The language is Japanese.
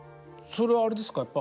それはあれですか？